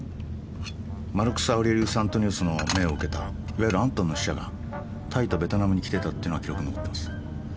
「マルクス・アウレリウス・アントニウスの命を受けたいわゆるアントンの使者がタイとベトナムに来てた」っていうのは記録に残ってます。